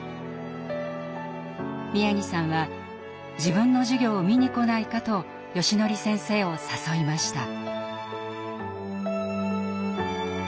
宮城さんは自分の授業を見に来ないかとよしのり先生を誘いました。